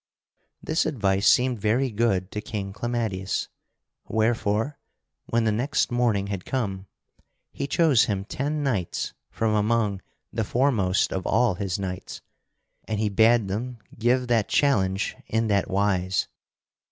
This advice seemed very good to King Clamadius, wherefore, when the next morning had come, he chose him ten knights from among the foremost of all his knights, and he bade them give that challenge in that wise.